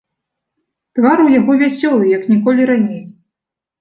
Твар у яго вясёлы як ніколі раней.